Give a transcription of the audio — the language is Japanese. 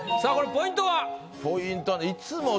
ポイントはね。